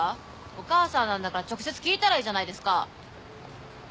お母さんなんだから直接聞いたらいいじゃないですか。